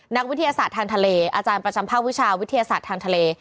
นักวิทยาศาสตร์ทางทะเลอาจารย์ประจำภาควิชาวิทยาศาสตร์ทางทะเล